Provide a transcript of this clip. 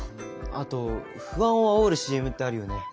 あと不安をあおるＣＭってあるよね。